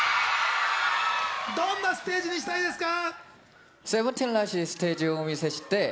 どんなステージにしたいですか？